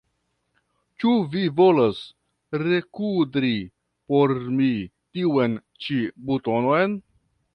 Ĉu vi volas rekudri por mi tiun ĉi butonon?